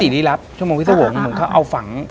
รีรับชั่วโมงวิศวงศ์เหมือนเขาเอาฝัง